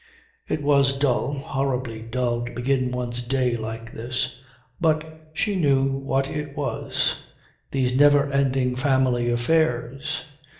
It was dull, horribly dull to begin one's day like this; but she knew what it was. These never ending family affairs!